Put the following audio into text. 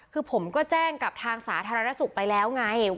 คือผมก็แจ้งกับทางสาธารณสุขไปแล้วไง